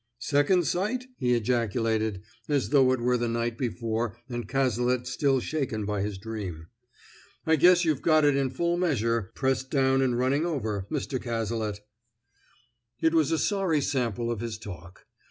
"Second sight?" he ejaculated, as though it were the night before and Cazalet still shaken by his dream. "I guess you've got it in full measure, pressed down and running over, Mr. Cazalet!" It was a sorry sample of his talk.